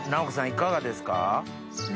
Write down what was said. いかがですか？